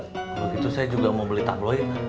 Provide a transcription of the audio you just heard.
kalau begitu saya juga mau beli tabloid